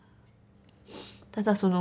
ただその